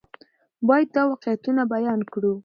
باید دا واقعیتونه بیان کړو.